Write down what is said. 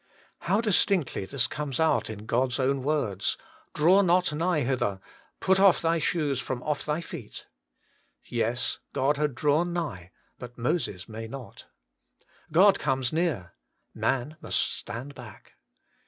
How distinctly this comes out in God's own words :' Draw not nigh hither ; put off thy shoes from off thy feet.' Yes, God had drawn nigh, but Moses may not. God comes near : man must stand back.